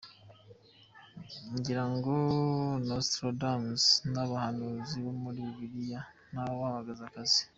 Ngira ngo ba Nostradamus n’abahanuzi bo muri Bibiliya ntawabahaga akazi.